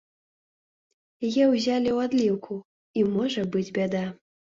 Яе ўзялі ў адліўку, і можа быць бяда.